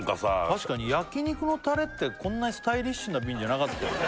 確かに焼肉のタレってこんなにスタイリッシュな瓶じゃなかったよね